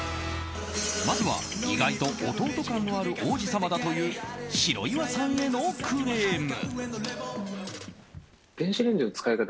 まずは意外と弟感のある王子様だという白岩さんへのクレーム。